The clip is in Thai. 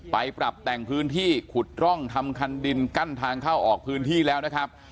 ไปปรับแต่งพื้นที่ขุดร่องทำคันดินกั้นทางเข้าออกพื้นที่แล้วนะครับ